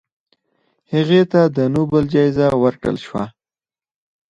هغې ته د نوبل جایزه ورکړل شوه.